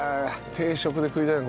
定食で食いたいよ